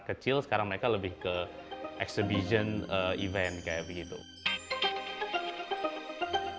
pada saat itu mereka sudah membuat part part kecil sekarang mereka lebih ke pembentukan event seperti itu